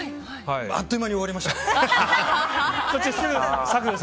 あっという間に終わりましたけど。